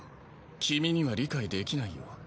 君には理解できないよ。